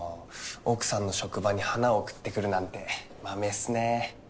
奥さんの職場に花を贈ってくるなんてマメっすね。